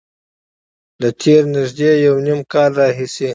له تېر نږدې یو نیم کال راهیسې